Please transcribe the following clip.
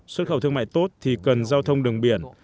xuất khẩu thương mại tốt thì cần giao thông đường biển